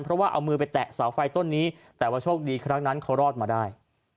เพราะว่าเอามือไปแตะเสาไฟต้นนี้แต่ว่าโชคดีครั้งนั้นเขารอดมาได้